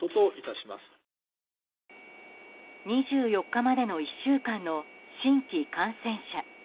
２４日までの１週間の新規感染者